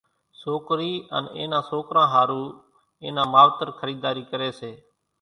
سوڪرِي ان اين نان سوڪران ۿارُو اين نان ماوتر خريڌارِي ڪري سي